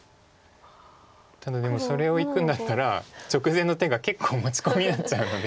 ただでもそれをいくんだったら直前の手が結構持ち込みになっちゃうので。